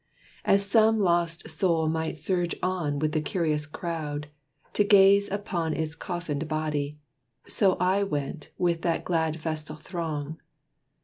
As some lost soul Might surge on with the curious crowd, to gaze Upon its coffined body, so I went With that glad festal throng.